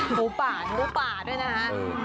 หมูป่าหนูป่าด้วยนะฮะ